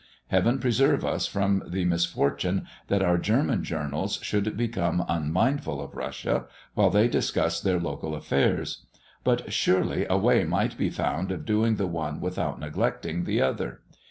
Heaven preserve us from the misfortune that our German journals should become unmindful of Russia, while they discuss their local affairs! But surely a way might be found of doing the one without neglecting the other.